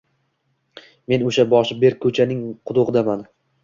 Men o’sha boshi berk ko’chaning qudug’idaman